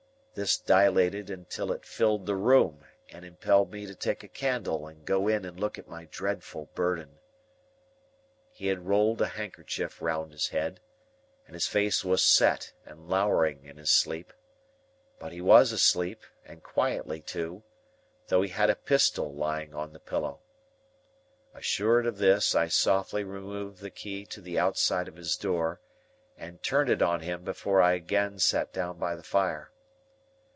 This dilated until it filled the room, and impelled me to take a candle and go in and look at my dreadful burden. He had rolled a handkerchief round his head, and his face was set and lowering in his sleep. But he was asleep, and quietly too, though he had a pistol lying on the pillow. Assured of this, I softly removed the key to the outside of his door, and turned it on him before I again sat down by the fire.